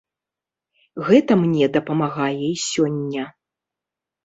Гэта мне дапамагае і сёння.